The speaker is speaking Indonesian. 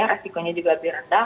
resikonya juga lebih rendah